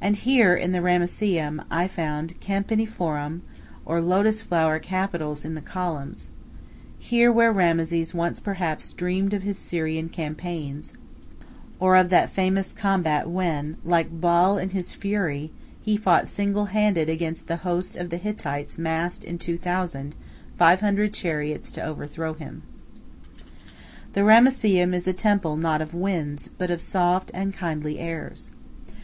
And here, in the Ramesseum, I found campaniform, or lotus flower capitals on the columns here where Rameses once perhaps dreamed of his Syrian campaigns, or of that famous combat when, "like Baal in his fury," he fought single handed against the host of the Hittites massed in two thousand, five hundred chariots to overthrow him. The Ramesseum is a temple not of winds, but of soft and kindly airs.